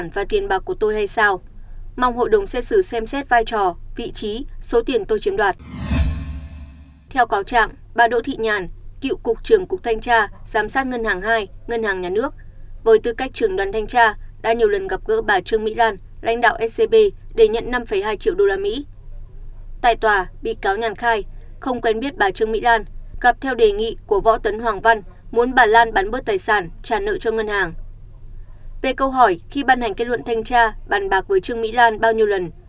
về câu hỏi khi ban hành kết luận thanh tra bàn bạc với trương mỹ lan bao nhiêu lần bị cáo nhàn trả lời gặp hai lần